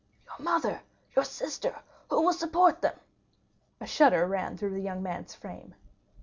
"Your mother—your sister! Who will support them?" A shudder ran through the young man's frame.